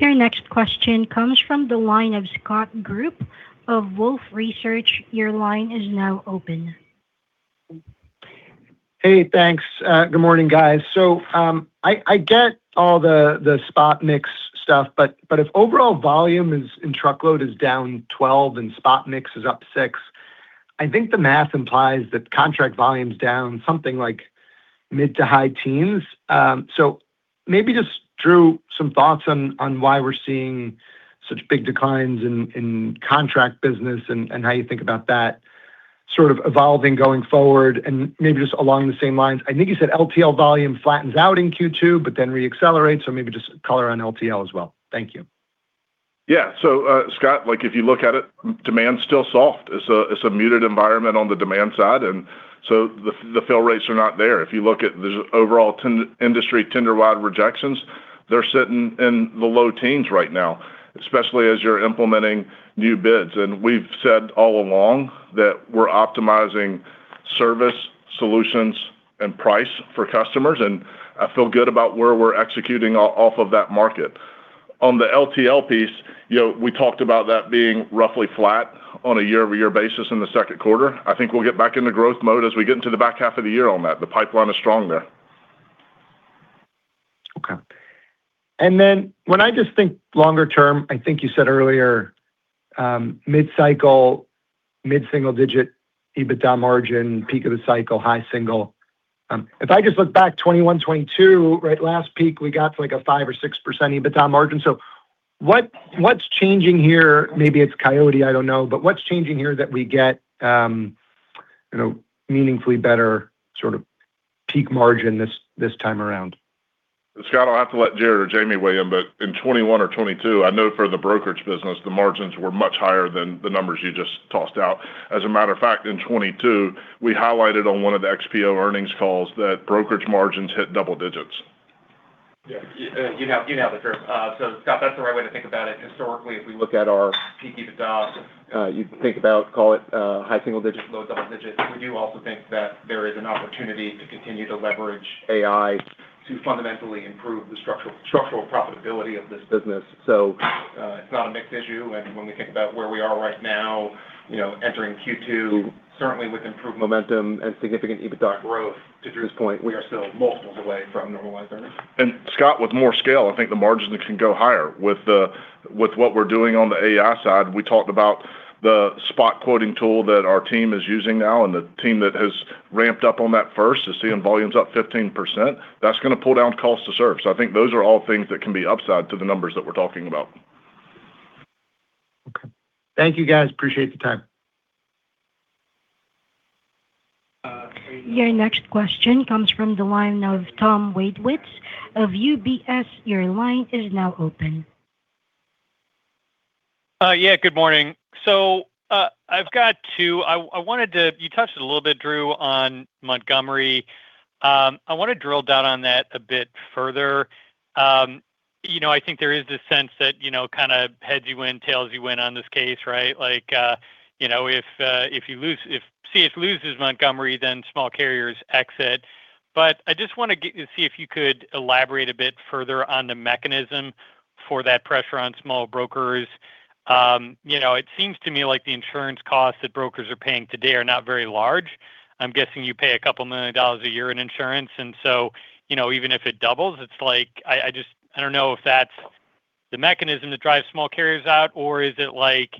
Your next question comes from the line of Scott Group of Wolfe Research. Your line is now open. Hey, thanks. Good morning, guys. I get all the spot mix stuff, but if overall volume in truckload is down 12% and spot mix is up 6%, I think the math implies that contract volume's down something like mid- to high-teens. Maybe just Drew, some thoughts on why we're seeing such big declines in contract business and how you think about that sort of evolving going forward. Maybe just along the same lines, I think you said LTL volume flattens out in Q2 but then re-accelerates. Maybe just color on LTL as well. Thank you. Scott, like if you look at it, demand's still soft. It's a muted environment on the demand side, the fail rates are not there. If you look at the overall industry tender rejections, they're sitting in the low teens right now, especially as you're implementing new bids. We've said all along that we're optimizing service, solutions, and price for customers, and I feel good about where we're executing off of that market. On the LTL piece, you know, we talked about that being roughly flat on a year-over-year basis in the second quarter. I think we'll get back into growth mode as we get into the back half of the year on that. The pipeline is strong there. When I just think longer term, I think you said earlier, mid-cycle, mid-single-digit EBITDA margin, peak of the cycle, high-single-digit. If I just look back 2021, 2022, right? Last peak, we got to like a 5% or 6% EBITDA margin. What's changing here? Maybe it's Coyote, I don't know. What's changing here that we get, you know, meaningfully better sort of peak margin this time around? Scott, I'll have to let Jared or Jamie weigh in, but in 2021 or 2022, I know for the Brokerage business, the margins were much higher than the numbers you just tossed out. As a matter of fact, in 2022, we highlighted on one of the XPO earnings calls that Brokerage margins hit double digits. Yeah. You have, you have it, Drew. Scott, that's the right way to think about it. Historically, if we look at our peak EBITDA, you can think about, call it, high single digits, low double digits. We do also think that there is an opportunity to continue to leverage AI to fundamentally improve the structural profitability of this business. It's not a mixed issue. When we think about where we are right now, you know, entering Q2, certainly with improved momentum and significant EBITDA growth, to Drew's point, we are still multiples away from normalized earnings. Scott, with more scale, I think the margins can go higher. With what we're doing on the AI side, we talked about the spot quoting tool that our team is using now, and the team that has ramped up on that first is seeing volumes up 15%. That's gonna pull down cost to serve. I think those are all things that can be upside to the numbers that we're talking about. Okay. Thank you, guys. Appreciate the time. Your next question comes from the line of Tom Wadewitz of UBS. Your line is now open. Yeah. Good morning. I've got two. You touched a little bit, Drew, on Montgomery. I wanna drill down on that a bit further. You know, I think there is this sense that, you know, kinda heads you win, tails you win on this case, right? Like, you know, if C.H. loses Montgomery, then small carriers exit. I just wanna get see if you could elaborate a bit further on the mechanism for that pressure on small brokers. You know, it seems to me like the insurance costs that brokers are paying today are not very large. I'm guessing you pay a couple million dollars a year in insurance. You know, even if it doubles, it's like, I just don't know if that's the mechanism that drives small carriers out, or is it like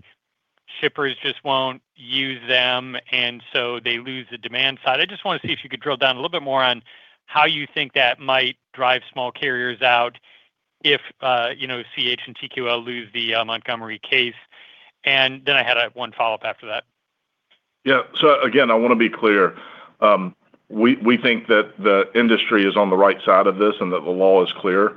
shippers just won't use them, and so they lose the demand side. I just wanna see if you could drill down a little bit more on how you think that might drive small carriers out if, you know, C.H. and TQL lose the, Montgomery case. I had one follow-up after that. Yeah. Again, I wanna be clear. We think that the industry is on the right side of this and that the law is clear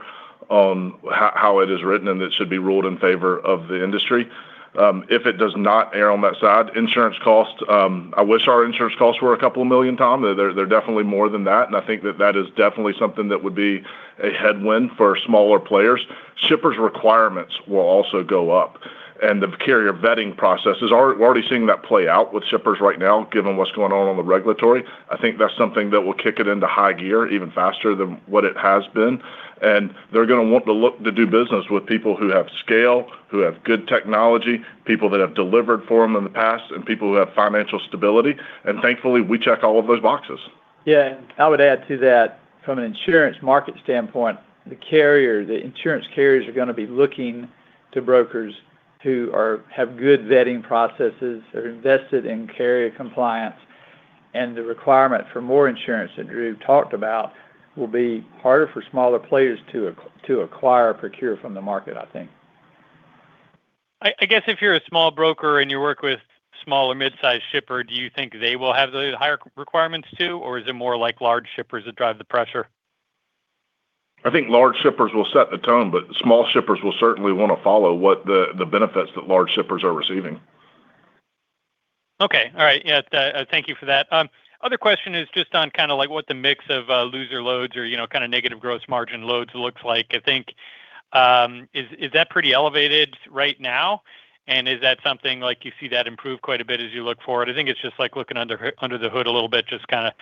on how it is written, and it should be ruled in favor of the industry. If it does not err on that side, insurance costs, I wish our insurance costs were $2 million, Tom. They're definitely more than that, and I think that is definitely something that would be a headwind for smaller players. Shippers' requirements will also go up. The carrier vetting processes we're already seeing that play out with shippers right now, given what's going on on the regulatory. I think that's something that will kick it into high gear even faster than what it has been. They're gonna want to look to do business with people who have scale, who have good technology, people that have delivered for them in the past, and people who have financial stability. Thankfully, we check all of those boxes. Yeah. I would add to that from an insurance market standpoint, the carrier, the insurance carriers are gonna be looking to brokers who have good vetting processes, are invested in carrier compliance, and the requirement for more insurance that Drew talked about will be harder for smaller players to acquire, procure from the market, I think. I guess if you're a small broker and you work with small or midsize shipper, do you think they will have the higher requirements too, or is it more like large shippers that drive the pressure? I think large shippers will set the tone, but small shippers will certainly wanna follow what the benefits that large shippers are receiving. Okay. All right. Yeah. Thank you for that. Other question is just on kinda like what the mix of loser loads or, you know, kinda negative gross margin loads looks like. I think, is that pretty elevated right now? Is that something, like you see that improve quite a bit as you look forward? I think it's just like looking under the hood a little bit, just kinda,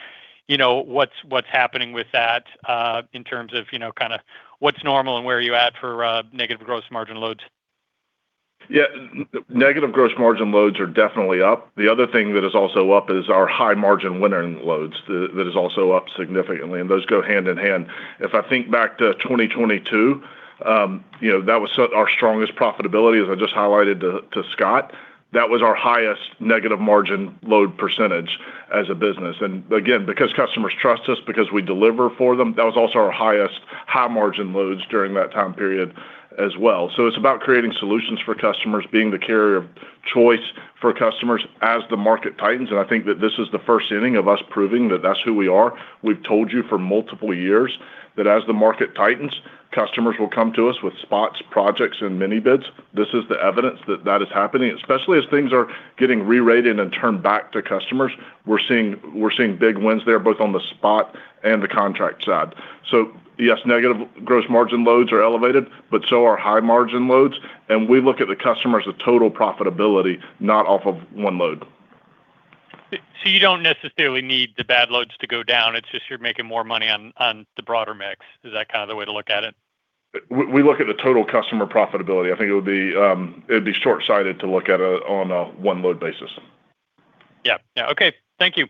you know, what's happening with that, in terms of, you know, kinda what's normal and where are you at for negative gross margin loads? Yeah. Negative gross margin loads are definitely up. The other thing that is also up is our high margin winning loads, that is also up significantly, and those go hand in hand. If I think back to 2022, you know, that was so our strongest profitability, as I just highlighted to Scott. That was our highest negative margin load percentage as a business. Again, because customers trust us, because we deliver for them, that was also our highest high margin loads during that time period as well. It's about creating solutions for customers, being the carrier of choice for customers as the market tightens. I think that this is the first inning of us proving that that's who we are. We've told you for multiple years that as the market tightens, customers will come to us with spots, projects, and mini bids. This is the evidence that that is happening, especially as things are getting re-rated and turned back to customers. We're seeing big wins there, both on the spot and the contract side. Yes, negative gross margin loads are elevated, but so are high margin loads. We look at the customers as total profitability, not off of one load. You don't necessarily need the bad loads to go down, it's just you're making more money on the broader mix. Is that kind of the way to look at it? We look at the total customer profitability. I think it would be short-sighted to look at it on a one load basis. Yeah. Yeah. Okay. Thank you.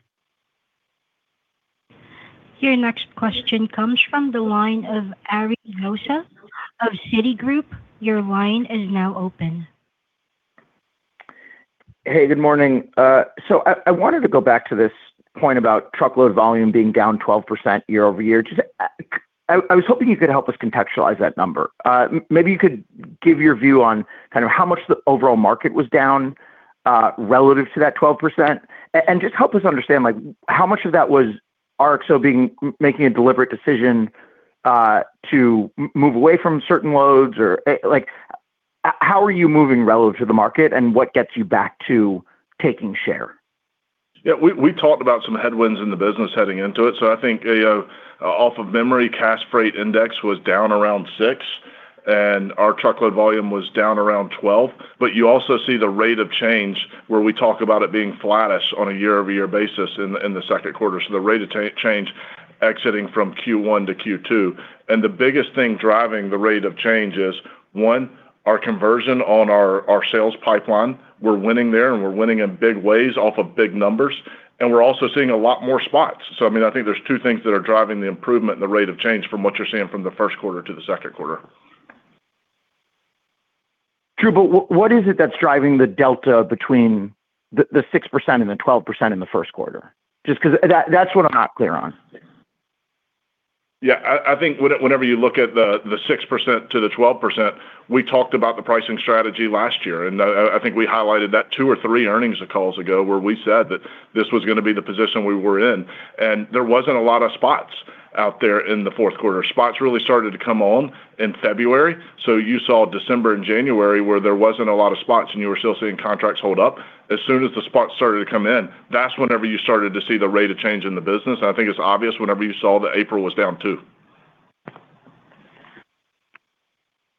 Your next question comes from the line of Ari Rosa of Citigroup. Your line is now open. Hey, good morning. I wanted to go back to this point about truckload volume being down 12% year-over-year. Just, I was hoping you could help us contextualize that number. Maybe you could give your view on kind of how much the overall market was down relative to that 12%. Just help us understand, like, how much of that was RXO making a deliberate decision to move away from certain loads? Or, like, how are you moving relative to the market, and what gets you back to taking share? Yeah, we talked about some headwinds in the business heading into it. I think, you know, off of memory, Cass Freight Index was down around 6, and our truckload volume was down around 12. You also see the rate of change where we talk about it being flattish on a year-over-year basis in the second quarter, so the rate of change exiting from Q1 to Q2. The biggest thing driving the rate of change is, one, our conversion on our sales pipeline. We're winning there, and we're winning in big ways off of big numbers, and we're also seeing a lot more spots. I mean, I think there's two things that are driving the improvement and the rate of change from what you're seeing from the first quarter to the second quarter. Drew, what is it that's driving the delta between the 6% and the 12% in the first quarter? Just 'cause that's what I'm not clear on. Yeah. I think whenever you look at the 6% to the 12%, we talked about the pricing strategy last year. I think we highlighted that two or three earnings calls ago, where we said that this was gonna be the position we were in. There wasn't a lot of spots out there in the fourth quarter. Spots really started to come on in February, you saw December and January where there wasn't a lot of spots and you were still seeing contracts hold up. As soon as the spots started to come in, that's whenever you started to see the rate of change in the business, I think it's obvious whenever you saw that April was down too.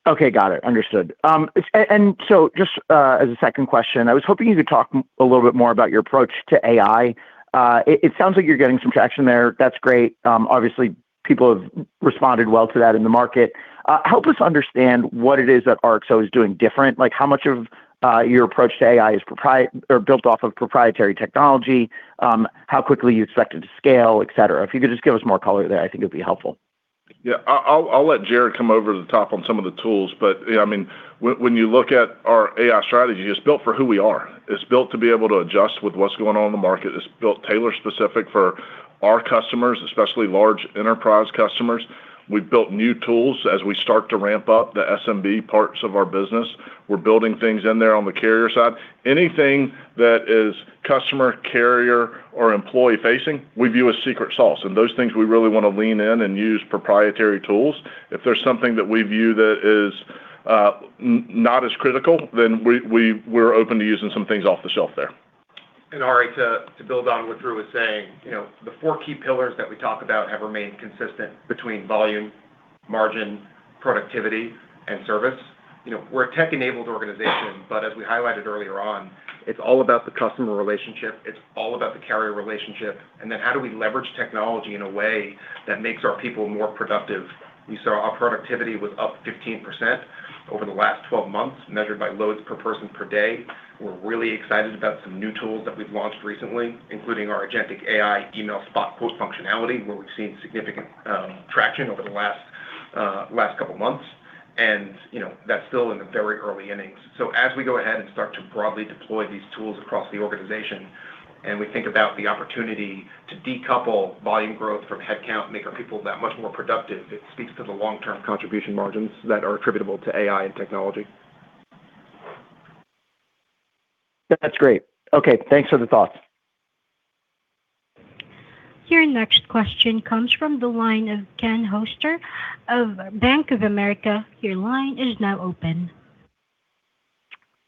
Okay, got it. Understood. As a second question, I was hoping you could talk a little bit more about your approach to AI. It sounds like you're getting some traction there. That's great. Obviously people have responded well to that in the market. Help us understand what it is that RXO is doing different. Like, how much of your approach to AI is built off of proprietary technology, how quickly you expect it to scale, et cetera. If you could just give us more color there, I think it'd be helpful. Yeah. I'll let Jared come over to the top on some of the tools. You know, I mean, when you look at our AI strategy, it's built for who we are. It's built to be able to adjust with what's going on in the market. It's built tailor specific for our customers, especially large enterprise customers. We've built new tools as we start to ramp up the SMB parts of our business. We're building things in there on the carrier side. Anything that is customer, carrier, or employee facing, we view as secret sauce, and those things we really want to lean in and use proprietary tools. If there's something that we view that is not as critical, then we're open to using some things off the shelf there. Ari, to build on what Drew was saying, you know, the four key pillars that we talk about have remained consistent between volume, margin, productivity, and service. You know, we're a tech-enabled organization, but as we highlighted earlier on, it's all about the customer relationship, it's all about the carrier relationship, and then how do we leverage technology in a way that makes our people more productive? We saw our productivity was up 15% over the last 12 months, measured by loads per person per day. We're really excited about some new tools that we've launched recently, including our agentic AI email spot quote functionality, where we've seen significant traction over the last couple of months. You know, that's still in the very early innings. As we go ahead and start to broadly deploy these tools across the organization and we think about the opportunity to decouple volume growth from headcount, make our people that much more productive, it speaks to the long-term contribution margins that are attributable to AI and technology. That's great. Okay, thanks for the thoughts. Your next question comes from the line of Ken Hoexter of Bank of America. Your line is now open.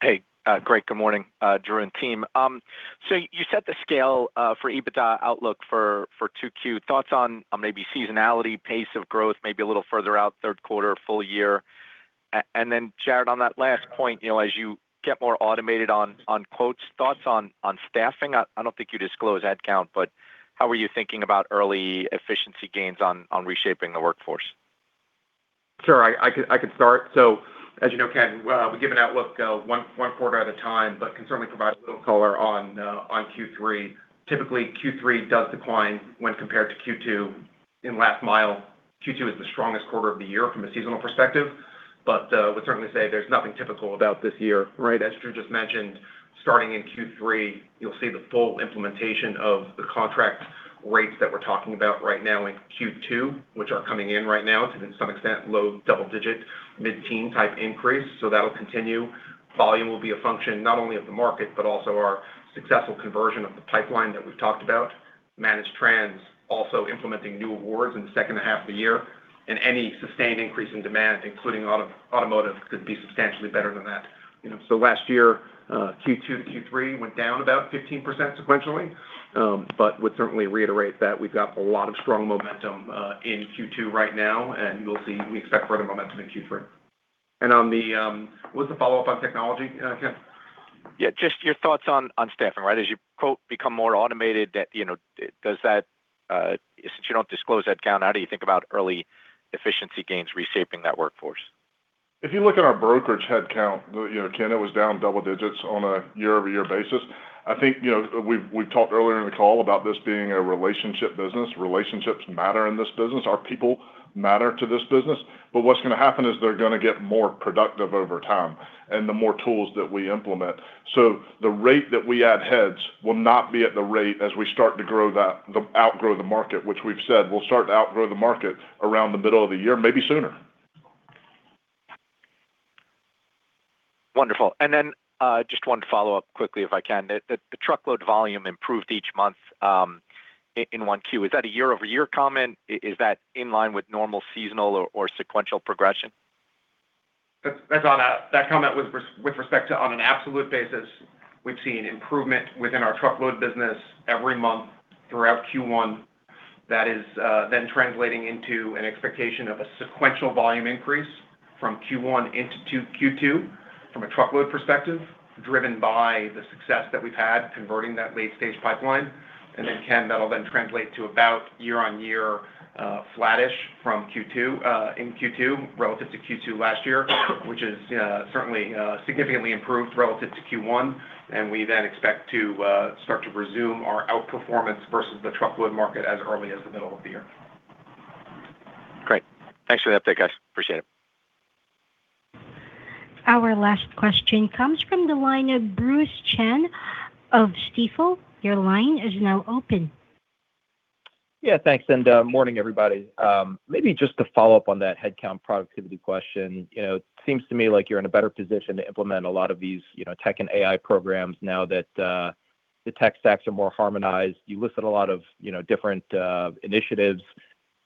Hey, great. Good morning, Drew and team. You set the scale for EBITDA outlook for 2Q. Thoughts on maybe seasonality, pace of growth, maybe a little further out, third quarter, full year. Then Jared, on that last point, you know, as you get more automated on quotes, thoughts on staffing. I don't think you disclose head count, but how are you thinking about early efficiency gains on reshaping the workforce? I could start. As you know, Ken, we give an outlook, one quarter at a time, can certainly provide a little color on Q3. Typically, Q3 does decline when compared to Q2 in Last Mile. Q2 is the strongest quarter of the year from a seasonal perspective. Would certainly say there's nothing typical about this year, right? As Drew just mentioned, starting in Q3, you'll see the full implementation of the contract rates that we're talking about right now in Q2, which are coming in right now to some extent, low double-digit, mid-teen type increase. That'll continue. Volume will be a function not only of the market, but also our successful conversion of the pipeline that we've talked about. Managed trends, also implementing new awards in the second half of the year. Any sustained increase in demand, including automotive, could be substantially better than that. You know, last year, Q2 to Q3 went down about 15% sequentially. Would certainly reiterate that we've got a lot of strong momentum in Q2 right now, we'll see. We expect further momentum in Q3. On the, what was the follow-up on technology, Ken? Yeah, just your thoughts on staffing, right? As you, quote, "Become more automated," you know, does that, since you don't disclose that count, how do you think about early efficiency gains reshaping that workforce? If you look at our Brokerage headcount, you know, Ken, it was down double digits on a year-over-year basis. I think, you know, we've talked earlier in the call about this being a relationship business. Relationships matter in this business. Our people matter to this business. What's gonna happen is they're gonna get more productive over time, and the more tools that we implement. The rate that we add heads will not be at the rate as we start to outgrow the market, which we've said we'll start to outgrow the market around the middle of the year, maybe sooner. Wonderful. Just one follow-up quickly if I can. The truckload volume improved each month in 1Q. Is that a year-over-year comment? Is that in line with normal seasonal or sequential progression? That comment was with respect to on an absolute basis. We've seen improvement within our truckload business every month throughout Q1. Translating into an expectation of a sequential volume increase, from Q1 into Q2 from a truckload perspective, driven by the success that we've had converting that late-stage pipeline. Ken, that'll then translate to about year-on-year flattish from Q2 in Q2 relative to Q2 last year, which is certainly significantly improved relative to Q1. We then expect to start to resume our outperformance versus the truckload market as early as the middle of the year. Great. Thanks for the update, guys. Appreciate it. Our last question comes from the line of Bruce Chan of Stifel. Your line is now open. Yeah, thanks. Morning, everybody. Maybe just to follow up on that headcount productivity question. You know, it seems to me like you're in a better position to implement a lot of these, you know, tech and AI programs now that the tech stacks are more harmonized. You listed a lot of, you know, different initiatives.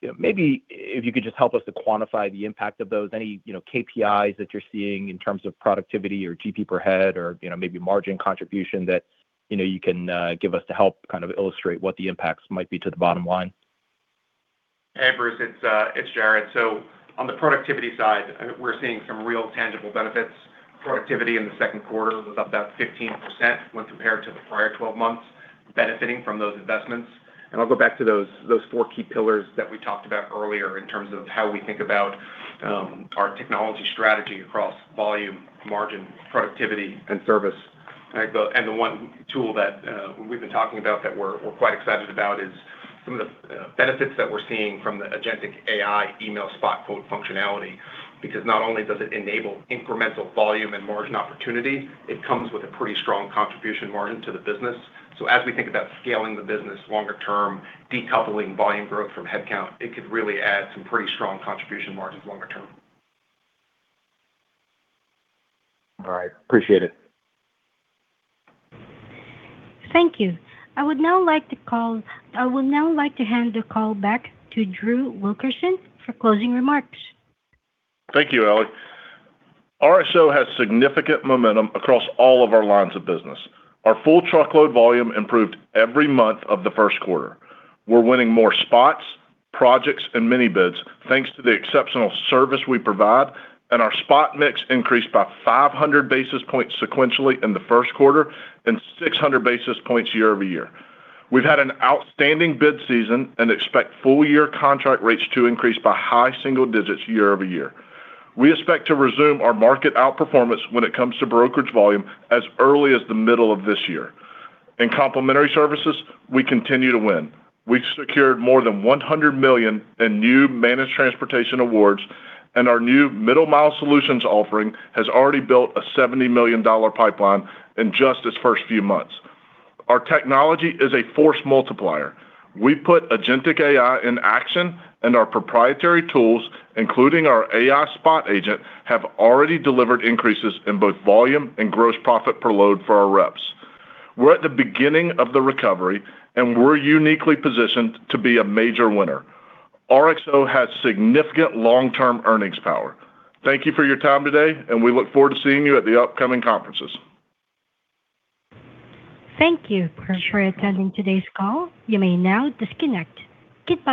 You know, maybe if you could just help us to quantify the impact of those. Any, you know, KPIs that you're seeing in terms of productivity or GP per head or, you know, maybe margin contribution that, you know, you can give us to help kind of illustrate what the impacts might be to the bottom line. Hey, Bruce, it's Jared. On the productivity side, we're seeing some real tangible benefits. Productivity in the second quarter was up about 15% when compared to the prior 12 months benefiting from those investments. I'll go back to those 4 key pillars that we talked about earlier in terms of how we think about our technology strategy across volume, margin, productivity, and service. The one tool that we've been talking about that we're quite excited about is some of the benefits that we're seeing from the agentic AI email spot code functionality. Not only does it enable incremental volume and margin opportunity, it comes with a pretty strong contribution margin to the business. As we think about scaling the business longer term, decoupling volume growth from headcount, it could really add some pretty strong contribution margins longer term. All right. Appreciate it. Thank you. I would now like to hand the call back to Drew Wilkerson for closing remarks. Thank you, Ellie. RXO has significant momentum across all of our lines of business. Our full truckload volume improved every month of the first quarter. We're winning more spots, projects, and mini bids thanks to the exceptional service we provide, and our spot mix increased by 500 basis points sequentially in the first quarter and 600 basis points year-over-year. We've had an outstanding bid season and expect full year contract rates to increase by high single digits year-over-year. We expect to resume our market outperformance when it comes to Brokerage volume as early as the middle of this year. In Complementary Services, we continue to win. We've secured more than 100 million in new Managed Transportation awards, and our new Middle Mile Solutions offering has already built a $70 million pipeline in just its first few months. Our technology is a force multiplier. We put agentic AI in action, and our proprietary tools, including our AI spot agent, have already delivered increases in both volume and gross profit per load for our reps. We're at the beginning of the recovery, and we're uniquely positioned to be a major winner. RXO has significant long-term earnings power. Thank you for your time today, and we look forward to seeing you at the upcoming conferences. Thank you for attending today's call. You may now disconnect. Goodbye.